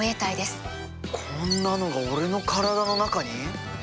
こんなのが俺の体の中に？